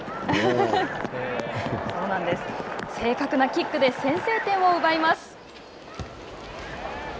正確なキックで先制点を奪います。